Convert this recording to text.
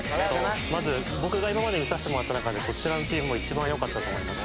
まず僕が今まで見させてもらった中でこちらのチームも一番良かったと思います。